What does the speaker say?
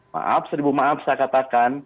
maaf seribu maaf saya katakan